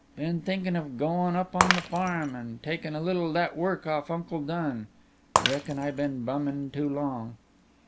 "Been thinkin' of goin' up on the farm, and takin' a little that work off Uncle Dun. Reckin I been bummin' too long."